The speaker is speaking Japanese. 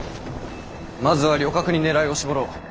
まずは旅客に狙いを絞ろう。